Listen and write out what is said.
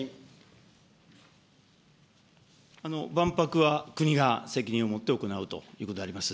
万博は国が責任を持って行うということであります。